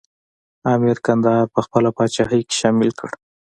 امیر کندهار په خپله پاچاهۍ کې شامل کړ.